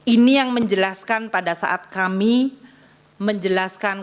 ini yang menjelaskan pada saat kami menjelaskan